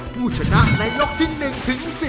ผู้ชนะในยกที่๑ถึง๑๐